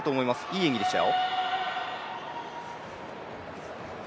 いい演技でしたよ。